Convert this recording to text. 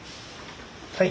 はい。